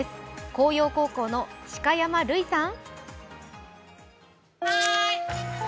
向陽高校の鹿山瑠唯さん。